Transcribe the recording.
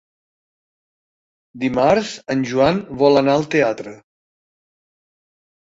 Dimarts en Joan vol anar al teatre.